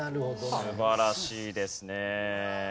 素晴らしいですね。